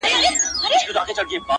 هم لوېدلی یې له پامه د خپلوانو,